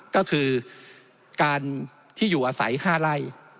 ก็คือการที่อยู่อาศัย๕ไร่